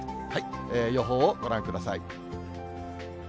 予報をご覧ください。